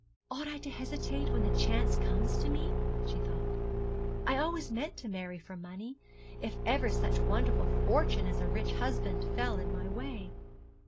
'Ought I to hesitate when the chance comes to me?' she thought. 'I always meant to marry for money, if ever such wonderful fortune as a rich husband fell in my way.'